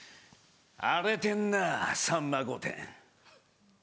「荒れてんな『さんま御殿‼』」。